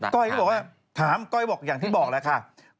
ก้อยก็บอกว่าถามก้อยบอกอย่างที่บอกแล้วค่ะ